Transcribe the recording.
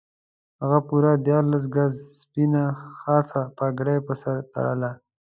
هغه پوره دیارلس ګزه سپینه خاصه پګړۍ پر سر تړله.